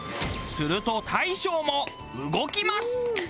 すると大将も動きます。